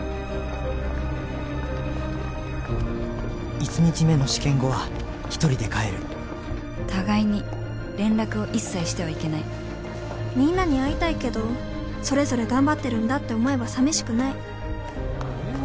１日目の試験後は１人で帰る互いに連絡を一切してはいけないみんなに会いたいけどそれぞれ頑張ってるんだって思えば寂しくない英語